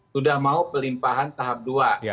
sudah mau pelimpahan tahap dua